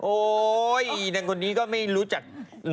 โอ๊ยนางคนนี้ก็ไม่รู้จัก